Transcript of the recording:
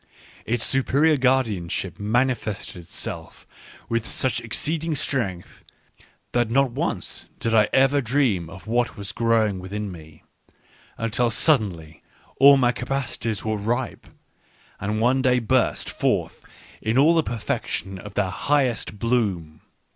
Its superior guardianship manifested itself with such ex ceeding strength, that not once did I ever dream of what was growing within me — until suddenly all my capacities were ripe, and one day burst forth in all the perfection of their highest bloom.